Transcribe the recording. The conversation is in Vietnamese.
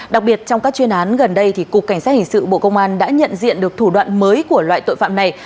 đặc biệt trong các chuyên án gần đây cục cảnh sát hình sự bộ công an đã nhận diện được thủ đoạn mới của loại tội phạm này